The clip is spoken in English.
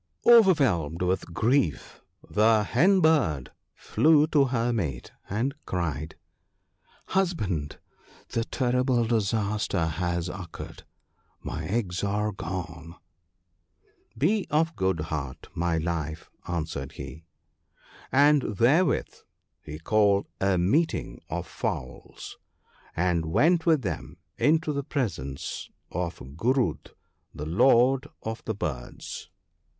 Overwhelmed with grief, the Hen bird flew to her mate, and cried :—" Husband, the terrible disaster has occurred ! My eggs are gone !" "Be of good heart ! my Life," answered he. ' And therewith he called a meeting of fowls, and went with them into the presence of Gur(id, the Lord of the birds ( M